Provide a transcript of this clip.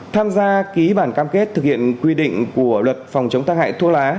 tham gia ký bản cam kết thực hiện quy định của luật phòng chống tác hại thuốc lá